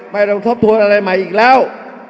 ไม่ต้องทบทวนอะไรใหม่อีกแล้ว